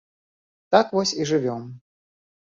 Так вось і жывём.